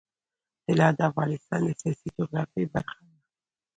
طلا د افغانستان د سیاسي جغرافیه برخه ده.